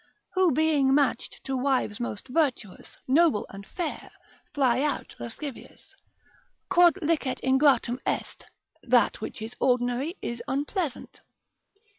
Who being match'd to wives most virtuous, Noble, and fair, fly out lascivious. Quod licet ingratum est, that which is ordinary, is unpleasant.